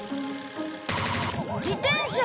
自転車。